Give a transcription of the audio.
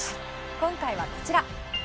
今回はこちら。